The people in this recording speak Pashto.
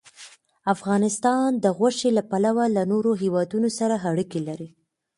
افغانستان د غوښې له پلوه له نورو هېوادونو سره اړیکې لري.